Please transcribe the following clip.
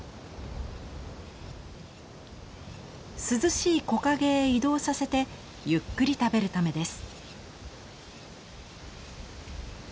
涼しい木陰へ移動させてゆっくり食べるためです。